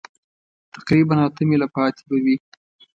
تقریباً اته مېله پاتې به وي.